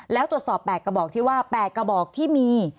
แล้วตรวจสอบ๘กระบอกที่ว่า๘กระบอกที่มี